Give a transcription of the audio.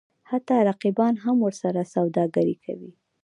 حتی رقیبان هم ورسره سوداګري کوي.